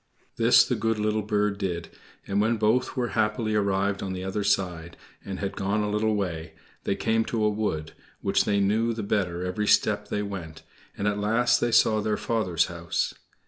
This the good little bird did, and when both were happily arrived on the other side, and had gone a little way, they came to a wood, which they knew the better every step they went, and at last they saw their father's house.